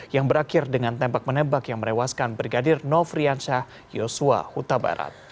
yang berakhir dengan tembak menembak yang merewaskan brigadir nofriansyah yosua huta barat